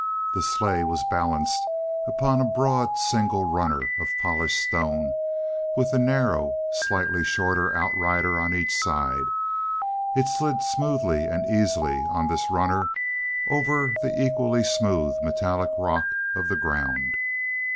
The sleigh was balanced upon a broad single runner of polished stone, with a narrow, slightly shorter outrider on each side; it slid smoothly and easily on this runner over the equally smooth, metallic rock of the ground.